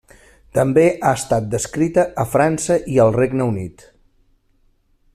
També ha estat descrita a França i el Regne Unit.